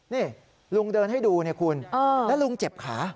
นี่ลุงเดินให้ดูเนี่ยคุณแล้วลุงเจ็บขา